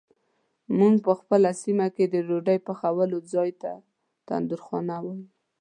مونږ په خپله سیمه کې د ډوډۍ پخولو ځای ته تندورخانه وایو.